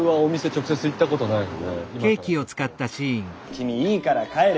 君いいから帰れ。